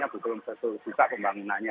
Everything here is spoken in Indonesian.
belum sesuka pembangunannya